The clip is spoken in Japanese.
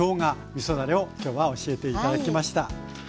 みそだれを今日は教えて頂きました。